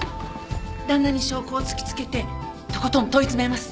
旦那に証拠を突きつけてとことん問い詰めます。